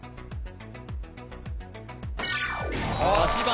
８番